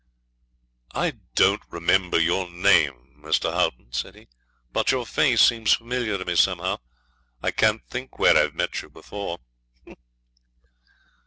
'"I don't remember your name, Mr. Haughton," said he; "but your face seems familiar to me somehow. I can't think where I've met you before."